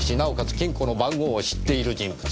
金庫の番号を知っている人物。